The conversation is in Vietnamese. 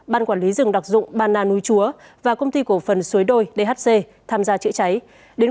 ban quản lý rừng đặc dụng ban na núi chúa và công ty cổ phần suối đôi dhc tham gia chữa cháy đến